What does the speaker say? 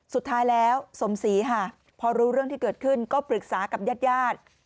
สุดท้ายแล้วสมศรีค่ะพอรู้เรื่องที่เกิดขึ้นก็ปรึกษากับญาติญาติ